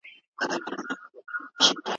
ارتباطي انقلاب نړۍ په یو کلي بدله کړې ده.